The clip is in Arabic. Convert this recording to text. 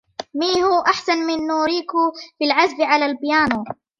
ميهو أحسن من نوريكو في العزف على البيانو.